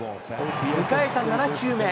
迎えた７球目。